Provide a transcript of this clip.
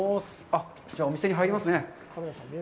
あっ、お店に入りますね。